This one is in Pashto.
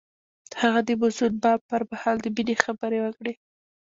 هغه د موزون بام پر مهال د مینې خبرې وکړې.